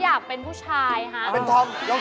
ไม่ใช่๒ครั้ง